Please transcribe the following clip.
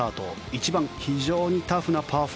１番、非常にタフなパー４。